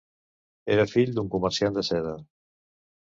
Era fill d'un comerciant de seda.